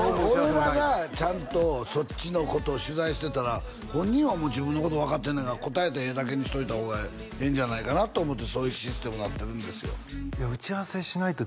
俺らがちゃんとそっちのことを取材してたら本人はもう自分のこと分かってんねんから答えたらええだけにしといた方がええんじゃないかなと思ってそういうシステムになってるんですよ